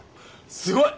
すごい！